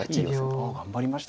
あ頑張りました。